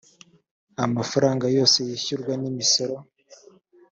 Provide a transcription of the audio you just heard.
amafaranga yose yishyurwa n imisoro